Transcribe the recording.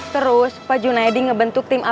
terus pak junaedi ngebentuk tim abc